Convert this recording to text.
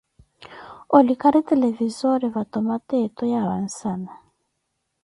olikari televisore va tomaata eto ya vansana.